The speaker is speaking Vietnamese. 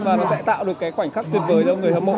và nó sẽ tạo được cái khoảnh khắc tuyệt vời cho người hâm mộ